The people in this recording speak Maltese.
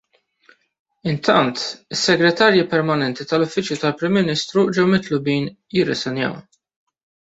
Intant, is-Segretarji Permanenti tal-Uffiċċju tal-Prim Ministru ġew mitluba jirriżenjaw.